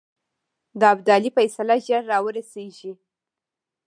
د ابدالي فیصله ژر را ورسېږي.